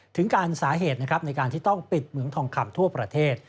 ถึงการสาเหตุนะครับในการที่ต้องปิดเหมืองทองคำทั่วประเทศ